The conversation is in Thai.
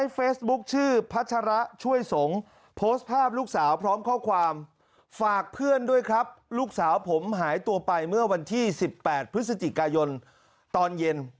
ฝากเพื่อนด้วยครับลูกสาวผมหายตัวไปเมื่อวันที่๑๘พฤศจิกายนตอนเย็น